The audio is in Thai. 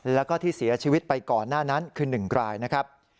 แล้วก็ที่เสียชีวิตไปก่อนหน้านั้นคือ๑รายนะครับ